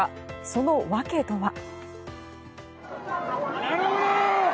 その訳とは？